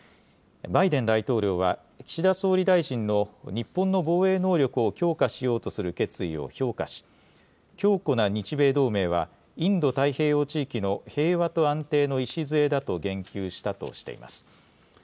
バイデン大統領は、岸田総理大臣の日本の防衛能力を強化しようとする決意を評価し、強固な日米同盟はインド太平洋地域の平和と安定の礎だと言及したとしています。